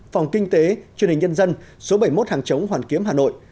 phòng kinh tế chương trình nhân dân số bảy mươi một hàng chống hoàn kiếm hà nội